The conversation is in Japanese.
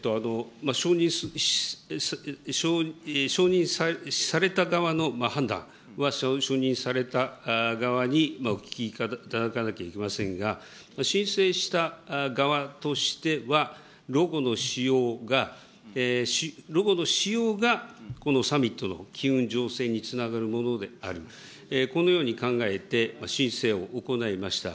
承認された側の判断は、承認された側にお聞きいただかなきゃいけませんが、申請した側としては、ロゴの使用が、ロゴの使用が、このサミットの機運醸成につながるものである、このように考えて、申請を行いました。